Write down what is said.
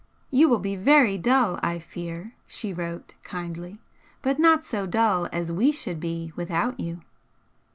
"You will be very dull, I fear," she wrote, kindly "But not so dull as we should be without you."